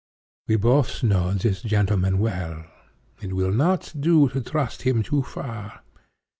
We both know this gentleman well. It will not do to trust him too far.